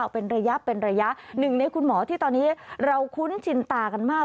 เป็นระยะเป็นระยะหนึ่งในคุณหมอที่ตอนนี้เราคุ้นชินตากันมาก